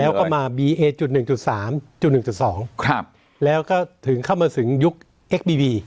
แล้วก็มาบีเอจุดหนึ่งจุดสามจุดหนึ่งจุดสองครับแล้วก็ถึงเข้ามาถึงยุคเอ็กบีบี